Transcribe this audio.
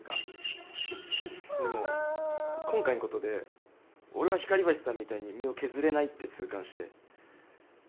でも今回んことで俺は光橋さんみたいに身を削れないって痛感して。